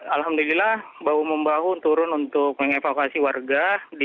alhamdulillah bahu membahu turun untuk mengevakuasi warga